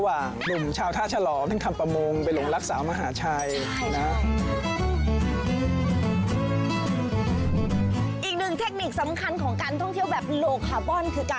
อาจจะไม่แก้นะครับค่ะ